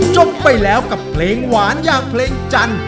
จบไปแล้วกับเพลงหวานอย่างเพลงจันทร์